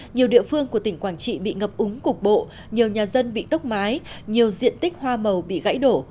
nhiều địa phương của tỉnh quảng trị bị ngập úng cục bộ nhiều nhà dân bị tốc mái nhiều diện tích hoa màu bị gãy đổ